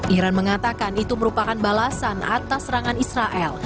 iran mengatakan itu merupakan balasan atas serangan israel